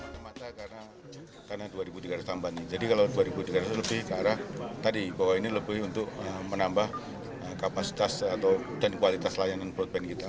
kota kota besar di wilayah jawa akan menambah kapasitas dan kualitas layanan perut band kita